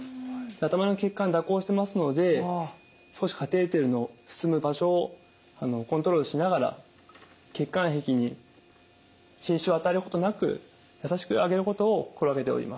頭の血管蛇行してますので少しカテーテルの進む場所をコントロールしながら血管壁に損傷を与えることなく優しく上げることを心がけております。